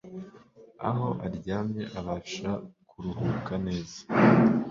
aho aryamye abasha kuruhuka neza